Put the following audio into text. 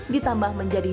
ditambah menjadi dua puluh